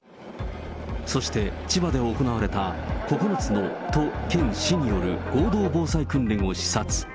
そして千葉で行われた９つの都県市による合同防災訓練を視察。